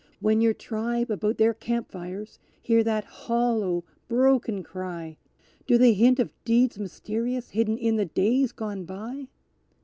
When your tribe about their camp fires hear that hollow, broken cry, _Do they hint of deeds mysterious, hidden in the days gone by?